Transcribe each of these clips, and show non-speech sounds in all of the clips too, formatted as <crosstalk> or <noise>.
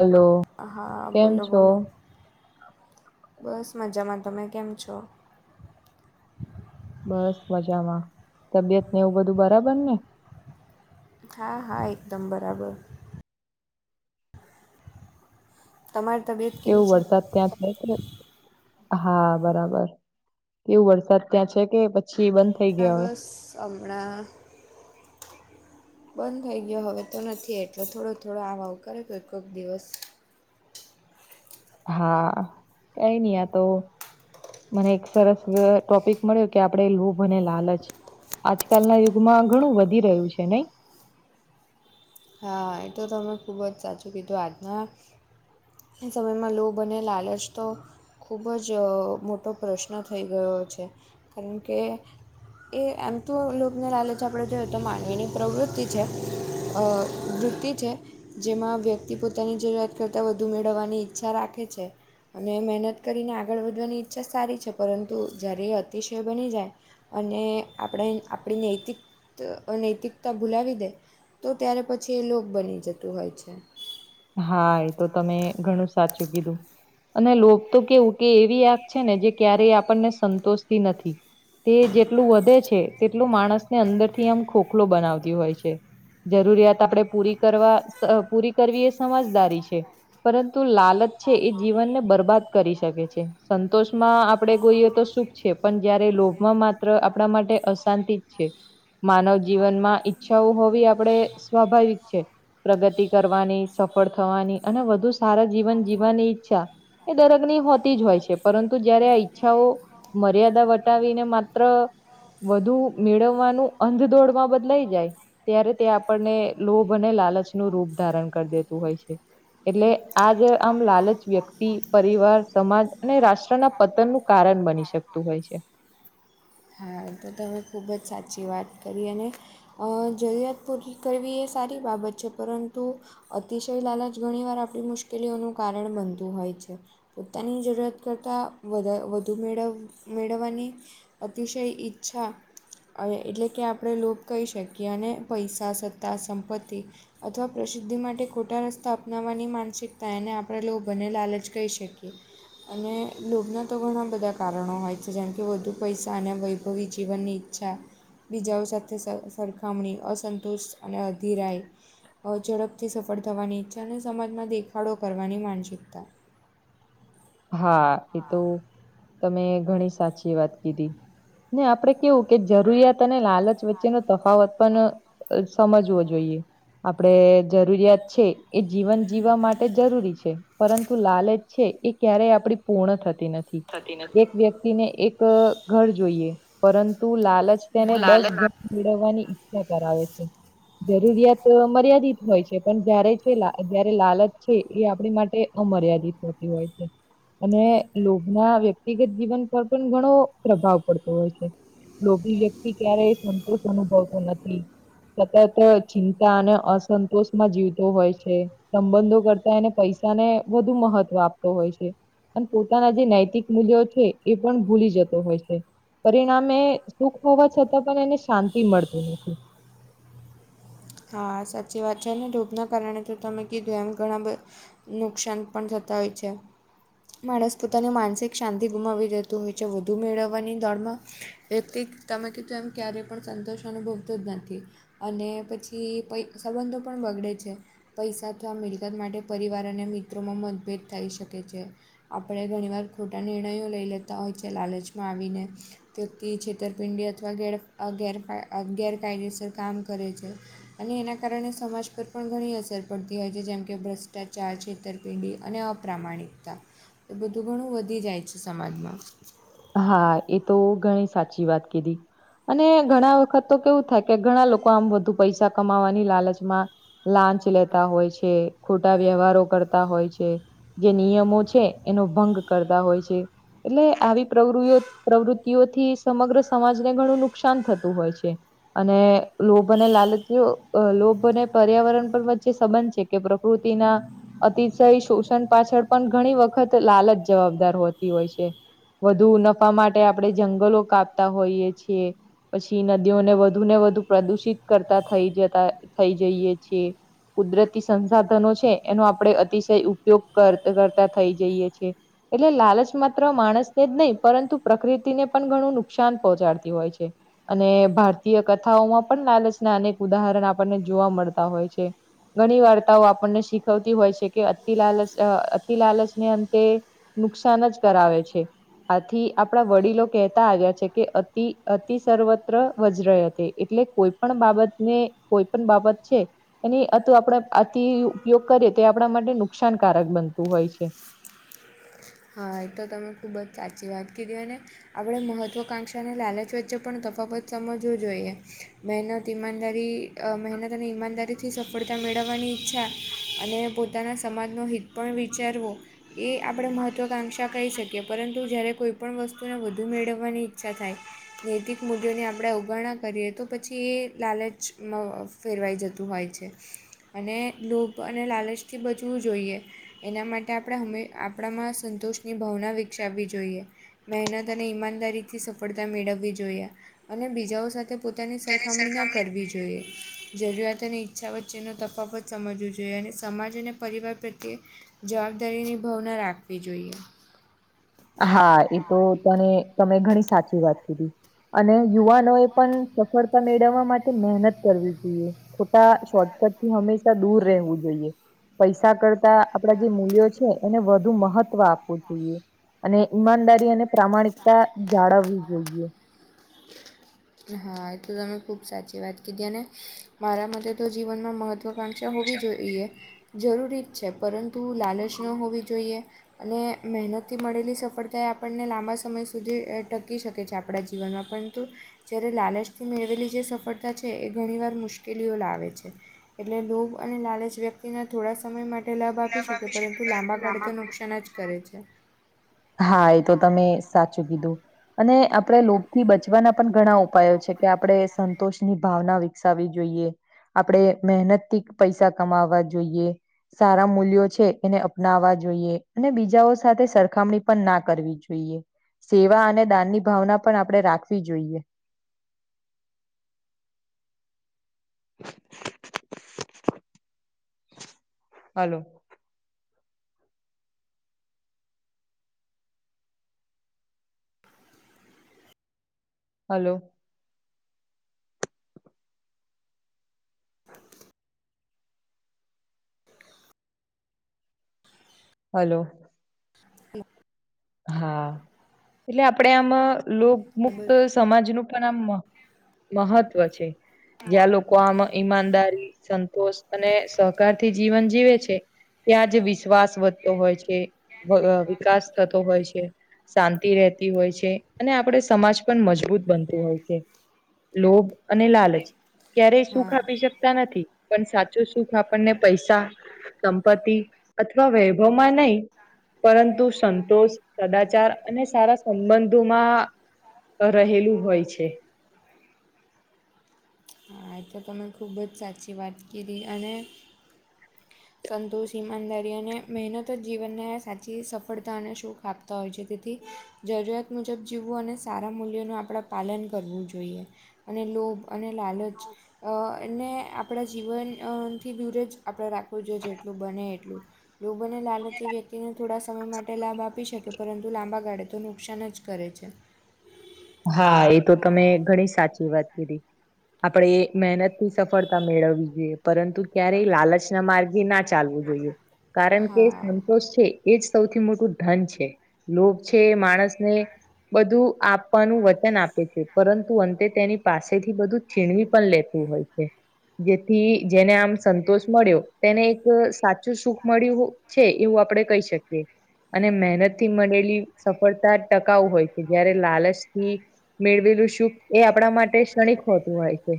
Hello હા કેમ બોલો છો? બોલો બસ મજામાં તમે કેમ છો? બસ મજામાં તબિયત ને એવું બધું બરાબર ને હા હા એકદમ બરાબર તમારી તબિયત કેવુ કેવી છે વરસાદ ત્યાં છે, કે? હા બરાબર એવું વરસાદ ત્યાં છે, કે પછી બં હા બસ અમણાં બંધ થઈ ગયો હવે તો નથી એટલો થોડો થોડો આવ આવ કરે કોક દિવસ હા કઈ ની આ તો મને એક સરસ ટોપિક મળ્યો કે આપડે લોભ અને લાલચ આજકાલના યુગમાં ઘણું વધી રહ્યું છે, નઈ? હા એ તો તમે ખૂબ જ સાચું કીધું આજના સમયમાં લોભ અને લાલચ તો ખૂબ જ મોટો પ્રશ્ન થઈ ગયો છે, કારણ કે એ એમ તો લોભને લાલચ આપણે જોઈએ તો માનવીની પ્રવૃત્તિ છે. અ વૃત્તિ છે, જેમાં વ્યક્તિ પોતાની જરૂરિયાત કરતાં વધુ મેળવવાની ઈચ્છા રાખે છે. અને મહેનત કરીને આગળ વધવાની ઈચ્છા સારી છે, પરંતુ જ્યારે એ અતિશય બની જાય અને આપણે આપણી નૈતિક નૈતિકતા ભૂલાવી દે તો ત્યારે પછી એ લોભ બની જતું હોય છે. હા એ તો તમે ઘણું સાચું કીધું. અને લોભ તો કેવું કે એવી આગ છે, ને જે ક્યારેય આપણને સંતોષતી નથી. તે જેટલું વધે છે. તેટલું માણસને અંદરથી આમ ખોખલો બનાવતી હોય છે. જરૂરિયાત આપણેે પૂરી કરવા પૂરી કરવી સમજદારી છે. પરંતુ લાલચ છે. એ જીવનને બરબાદ કરી શકે છે. સંતોષમાં આપણેે <unintelligible> તો શું છે, પણ જ્યારે લોભમાં માત્ર આપડા માટે અશાંતિ જ છે. માનવ જીવનમાં ઈચ્છાઓ હોવી આપડે સ્વાભાવિક છે. પ્રગતિ કરવાની સફળ થવાની અને વધુ સારા જીવન જીવવાની ઈચ્છા એ દરેકની હોતી જ હોય છે. પરંતુ જ્યારે આ ઈચ્છાઓ મર્યાદા વટાવીને માત્ર વધુ મેળવવાનું અંધ દોડમાં બદલાઈ જાય. ત્યારે તે આપણને લોભ અને લાલચનું રૂપ ધારણ કર દેતું હોય છે. એટલે આ જે આમ લાલચ વ્યક્તિ, પરિવાર, સમાજ અને રાષ્ટ્રના પતનનું કારણ બની શકતું હોય છે. હા તો તમે ખુબ જ સાચી વાત કરી અને અ જરૂરિયાત પૂરી કરવી એ સારી બાબત છે. પરંતુ અતિશય લાલચ ઘણી વાર આપણી મુશ્કેલીઓનું કારણ બનતું હોય છે. પોતાની જરૂરિયાત કરતાં વધા વધુ મેળવ મેળવવાની અતિશય ઈચ્છા. એટલે કે આપણે લોભ કહી શકીએ. અને પૈસા સત્તા, સંપત્તિ અથવા પ્રસિદ્ધિ માટે ખોટા રસ્તા અપનાવવાની માનસિકતા એને આપણે લોભ અને લાલચ કહી શકીએ. અને લોભના તો ઘણા બધા કારણો હોય છે. જેમ કે વધુ પૈસા અને ભવી જીવનની ઈચ્છા. બીજાઓ સાથે સ સરખામણી અસંતોષ અને અધીરાય અ ઝડપથી સફળ થવાની ઈચ્છા અને સમાજમાં દેખાડો કરવાની માનસિકતા હા એ તો તમે ઘણી સાચી વાત કીધી ને આપણેે કેવું કે જરૂરિયાત અને લાલચ વચ્ચેનો તફાવત પણ સમજવો જોઈએ. આપડે જરૂરિયાત છે. એ જીવન જીવવા માટે જરૂરી છે. પરંતુ લાલચ છે, એ ક્યારેય આપડી પૂર્ણ થતી ન થી થતી એક નથી વ્યક્તિને એક ઘર જોઈએ. પરંતુ લાલ તેને હું દસ લાલચ ઘર મેળવવાની ઈચ્છા કરાવે છે. જરૂરિયાત મર્યાદિત હોય છે. પણ જ્યારે છે જ્યારે લાલચ છે એ આપણી માટે અ મર્યાદીત હતી હોય છે. અને લોભમાં વ્યક્તિગત જીવન પર પણ ઘણો પ્રભાવ પડતો હોય છે. લોભી વ્યક્તિ ક્યારેય સંતોષ અનુભવતો નથી. સતત ચિંતા અને અસંતોષમાં જીવતો હોય છે. સંબંધો કરતા એને પૈસાને વધુ મહત્વ આપતો હોય છે. પણ પોતાના જે નૈતિક મૂલ્યો છે. એ પણ ભૂલી જતો હોય છે. પરિણામે સુખ હોવા છતાં પણ એને શાંતિ મળતી નથી. હા સાચી વાત છે. અને ધૂપના કારણે તો તમે કીધું એમ ઘણાં બ નુકસાન પણ થતા હોય છે. માણસ પોતાની માનસિક શાંતિ ગુમાવી દેતું હોય છે વધુ મેળવવાની દોડમાં. વ્યક્તિ તમે કીધું એમ ક્યારેય પણ સંતોષ અનુભવતો જ નથી. અને પછી <unintelligible> સંબંધો પણ બગડે છે. પૈસા અથવા મિલકત માટે પરિવાર અને મિત્રોમાં મતભેદ થઈ શકે છે. આપણે ઘણી વાર ખોટા નિર્ણયો લઈ લેતા હોય છે લાલચમાં આવીને. <unintelligible> છેતરપિંડી અથવા ગેર અ ગેર ગેરકાયદેસર કામ કરે છે. અને એના કારણે સમાજ પર પણ ઘણી અસર પડતી હોય છે જેમ કે ભ્રષ્ટાચાર છેતર પીંડી અને અપ્રામાણિકતા એ બધું ઘણું વધી જાય છે સમાજમાં. હા એ તો ઘણી સાચી વાત કીધી અને ઘણા વખત તો કેવું થાય કે ઘણા લોકો આમ વધુ પૈસા કમાવાની લાલચમાં લાંચ લેતા હોય છે ખોટા વ્યવહારો કરતા હોય છે જે નિયમો છે એનો ભંગ કરતા હોય છે એટલે આવી પ્રવૃ પ્રવૃતિઓથી સમગ્ર સમાજને ઘણું નુકસાન થતું હોય છે. અને લોભ અને લાલચઓ લોભ અને પર્યાવરણ પણ વચ્ચે સંબંધ છે કે પ્રકૃતિના અતિશય શોષણ પાછળ પણ ઘણી વખત લાલચ જવાબદાર હોતી હોય છે. વધુ નફા માટે આપણે જંગલો કાપતા હોઈએ છીએ. પછી નદીઓને વધુ ને વધુ પ્રદુષિત કરતા થઈ જતા થઈ જઈએ છીએ. કુદરતી સંસાધનો છે એનો આપડણે અતિશય ઉપયોગ કર કરતા થઈ જઈએ છે. એટલે લાલચ માત્ર માણસ એ જ નહી પરંતુ પ્રકૃતિને પણ ઘણું નુકસાન પહોંચાડતી હોય છે. અને ભારતીય કથાઓમાં પણ લાલચના અનેક ઉદાહરણ આપણને જોવા મળતા હોય છે. ઘણી વાર્તાઓ આપણને શીખવતી હોય છે કે અતિ લાલ અતિ લાલચને અંતે નુકસાન જ કરાવે છે. આથી આપણા વડીલો કહેતા આવ્યા છે કે અતિ અતિ સર્વત્ર વજ્ર હતી એટલે કોઈ પણ બાબતને કોઈ પણ બાબત છે એની અત આપણે આથી ઉપયોગ કરીએ તે આપણા માટે નુકસાનકારક બનતું હોય છે. હા તો તમે ખૂબ જ સાચી વાત કીધી ને આપણે મહત્વકાંક્ષાની લાલચ વચ્ચે પણ તફાવત સમજવું જોઈએ. મહેનત ઇમાનદારી મહેનત અને ઈમાનદારીથી સફળતા મેળવવાની ઈચ્છા અને પોતે પોતાના સમાજનો હિત પણ વિચારવો એ આપણે મહત્વ મત્વકાંક્ષા કહી શકીએ પરંતુ જ્યારે કોઈ પણણ વસ્તુને વધુ મેળવવાની ઈચ્છા થાય નૈતિક મુલ્યો ની આપણે અવગણણા કરીએ તો પછી એ લાલચ ફેરવાઈ જતું છે અને લોભ અને લાલચથી બચવું જોઈએ. એના માટે આપડે આપણામાં સંતોષની ભાવના વિકસાવવી જોઈએ. મહેનત અને ઈમાનદારીથી સફળતા મેળવવી જોઈયે અને બીજાઓ સાથે પોતાની સરખામણી ન કરવી જ જોઈએ જરૂરિયાત અને ઈચ્છા વચ્ચેનો તફાવત સમજવો જોઈએ અને સમાજ અને પરિવાર પ્રત્યે જવાબદારીની ભાવના રાખવી જોઈએ. હા એ તો તને તમે ઘણી સાચી વાત કીધી. અને યુવાનો એ પણ સફળતા મેળવવા માટે મહેનત કરવી જોઈએ. ખોટા શોર્ટકટ થી હંમેશા દૂર રહેવું જોઈએ. પૈસા કરતા આપડા જે મૂલ્યો છે એને વધુ મહત્વ આપવું જોઈએ. અને ઈમાનદારી અને પ્રામાણિકતા જાળવવી જોઈએ. <inaudible> એ હા એ તો તમે ખુબ સાચી વાત કીધી અને મારા મતે તો જીવનમાં મહત્વ તો કાંક્ષા હોવી જોઈએ જરૂરી જ છે પરંતુ લાલચ ન હોવી જોઈએ અને મહેનતથી મળેલી સફળતા એ આપણને લાંબા સમય સુધી અહ ટકી શકે છે આપણા જીવનમાં પરંતુ જ્યારે લાલચ થી મેળવેલી જે સફળતા છે એ ઘણી વાર મુશ્કેલીઓ લાવે છે. એટલે લોભ અને લાલચ વ્યક્તિના થોડા સમય માટ તે લાભ આપી શકે પરંતુ લાંબા ગાળે તો નુકસાન જ કરે છે. હા એ તો તમે સાચું કીધું. અને આપડે લોભથી બચવાના પણ ઘણા ઉપાયો છે કે આપણે સંતોષ ની ભાવના વી વિકસાવી જોઈએ આપડે મહેનત થી પૈસા કમાવા જોઈએ. સારા મૂલ્યો છે એને અપનાવવા જોઈએ અને બીજાઓ સાથે સરખામણી પણ ના કરવી જોઈએ. સેવા અને દાનની ભાવના પણ આપડે રાખવી જોઈએ. હલો. હલો. હલો. તે હા એટલે આપડે આમાં લોગમુક્ત સમાજનું પણ આમ મહત્વ છે. માં જ્યાં કો આમ ઈમાનદારી સંતોષ અને સહકાર થી જીવન જીવે છે. ત્યાં જ વિશ્વાસ વધતો હોય છે વ અહ વિકાસ થતો હોય છે. શાંતિ રહેતી હોય છે અને આપડે સમાજ પણ મજબૂત બનતું હોય છે. લોભ અને તે લાલચ ક્યારે શું હા ખાપી શક તા નથી પણ સાચું આપણને સંપત્તિ અથવા વે ઘમાં નહી પરંતુ સં દોષ સદાચાર અને સારા સંબંધોમાં રહેલું હોય છે. હા એ તો તમે ખૂબ જ સાચી વાત કીધી અને સંતોષ ઈમાનદારી અને મહેનત જ જીવનને સાચી સફળતા અને સુખ આપતા હોય છે તેથી જરૂરિયાત મુજબ જીવવું અને સારા મૂલ્યોનું આપડે પાલન કરવું જોઈએ. અને લોભ અને લાલચ અહ એને આપ આપડા જીવન અહ થી દૂરે જ આપડે રાખવું જોઈએ જેટલું બને એટલું. લોભ અને ને લાલચ વ્યક્ તી તેને થોડા સમય માટે લાભ આપી શકે પરંતુ લાંબા ગાળે તો નુકસાન જ કરે છે. હા એ તો તમે ઘણી સાચી વાત કીધી. આપડે મહેનત થી સફળતા મેળવવી જોઈએ પરંતુ ક્યારેય લાલચ ના માર્ગે ના ચાલવું જોઈએ કારણ કે હા સંતોષ છે એજ સૌથી મોટું ધન છે લોભ છે એ માણસને બધું આપ વચન આપે છે પરંતુ અંતે તેની પાસેથી બધું છીણવી પણ લેતું હોય છે જેથી જેને આમ સંતોષ મળ્યો તેને એક સાચું સુખ મળ્યું છે એવું આપડે કહી શકીએ અને મહેનત થી મળેલી સફળતા ટકાઉ હોય છે જયારે લાલચ થી મેળવેલું શુખ એ આપણા માટે ક્ષણિક હોતું હોય છે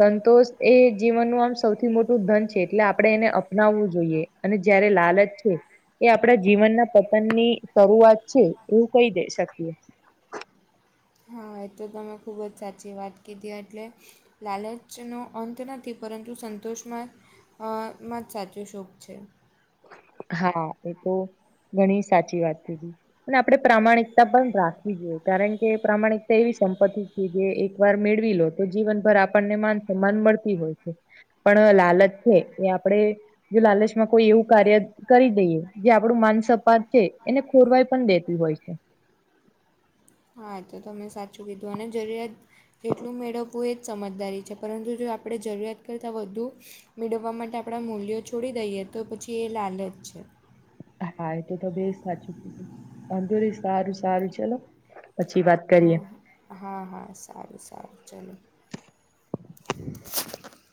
સંતોષ એ જીવનનું આમ સૌથી મોટું ધન છે એટલે આપ પણે એને અપનાવવું જોઈએ અને જયારે લાલચ છે એ આપડા જીવનના પતન ની શરૂઆત છે એવું કહી દે શકીએ હા એ તો તમે ખૂબ જ સાચી વાત કીધી એટલે લાલચનો અંત નથી પરંતુ સંતોષમાં અહ માં જ સાચું સુખ છે હા એ તો ઘણી સાચી વાત કીધી અને આપણે પ્રામાણિકતા પણ રાખવી જોઈએ કારણ કે પ્રામાણિકતા એવી સંપત્તિ કે જે એકવાર મેળવી લો તો જીવનભર આપણને માન સન્માન મળતી હોય છે પણ લાલચ છે એ આપડે જે લાલચમાં કોઈ એવું કાર્ય કરી દઈએ જે આપડું માનસપાત છે એને ખોરવાઈ પણ દેતું હોય છે હા એતો તમે સાચું કીધું અને જરૂરિયાત જેટલું મેળવવું એ જ સમજદારી છે પરંતુ જો આપણે જરૂરિયાત કરતાં વધુ મેળવવા માટે આપણે મૂલ્યો છોડી દઈએ તો પછી એ લાલચ છે હા એ તો તમે સાચું કીધું વાંધો નહીં સારું સારું ચલો પછી વાત હા કરીએ હા હા સારું સારું ચલો